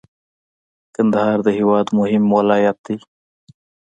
کندهار د هیواد مهم ولایت دی.